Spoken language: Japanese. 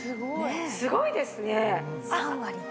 すごいですね。